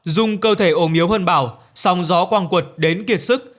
dung cơ thể ồn yếu hơn bảo song gió quang quật đến kiệt sức